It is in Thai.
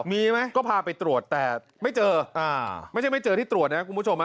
มีไหมก็พาไปตรวจแต่ไม่เจอไม่ใช่ไม่เจอที่ตรวจนะคุณผู้ชม